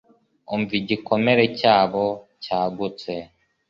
Umva igikomere cyabo cyagutse